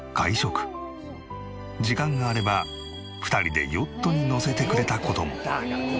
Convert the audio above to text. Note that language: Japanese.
時間があれば２人でヨットに乗せてくれた事も。